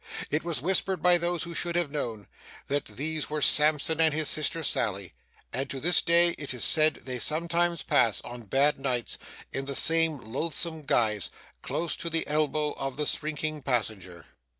It was whispered by those who should have known, that these were Sampson and his sister Sally; and to this day, it is said, they sometimes pass, on bad nights, in the same loathsome guise, close at the elbow of the shrinking passenger.